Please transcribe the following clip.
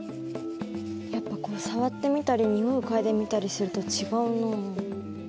やっぱこう触ってみたり匂いを嗅いでみたりすると違うなあ。